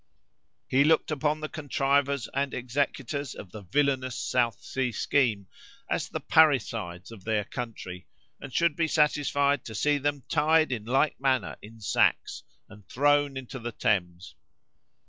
He looked upon the contrivers and executors of the villanous South Sea scheme as the parricides of their country, and should be satisfied to see them tied in like manner in sacks, and thrown into the Thames."